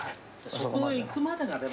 そこへいくまでがでも。